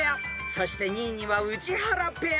［そして２位には宇治原ペア］